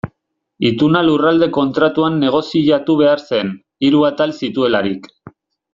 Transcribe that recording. Ituna Lurralde Kontratuan negoziatu behar zen, hiru atal zituelarik.